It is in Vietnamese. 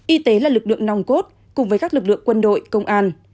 y tế là lực lượng nòng cốt cùng với các lực lượng quân đội công an